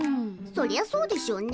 そりゃそうでしょうね。